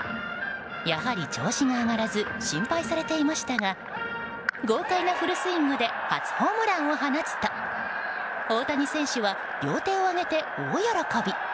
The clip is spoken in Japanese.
やはり調子が上がらず心配されていましたが豪快なフルスイングで初ホームランを放つと大谷選手は両手を上げて大喜び。